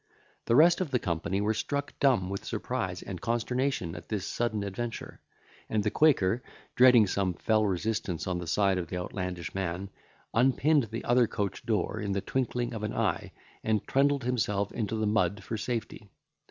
The rest of the company were struck dumb with surprise and consternation at this sudden adventure; and the quaker, dreading some fell resistance on the side of the outlandish man, unpinned the other coach door in the twinkling of an eye, and trundled himself into the mud for safety.